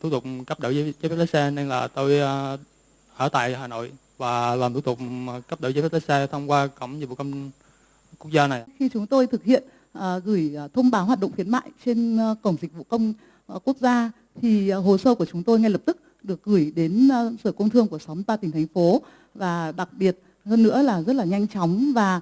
hồ sơ của chúng tôi ngay lập tức được gửi đến sở công thương của xóm ba tỉnh thành phố và đặc biệt hơn nữa là rất là nhanh chóng và chúng tôi có thể theo dõi được tiến trình tiếp nhận và xử lý của các sở công thương